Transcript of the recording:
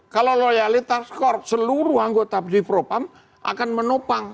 kalau loyalitas skor seluruh anggota di propam akan menopang